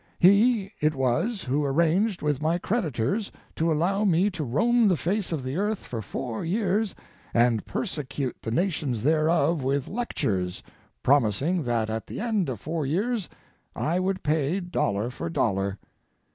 He it was who arranged with my creditors to allow me to roam the face of the earth for four years and persecute the nations thereof with lectures, promising that at the end of four years I would pay dollar for dollar.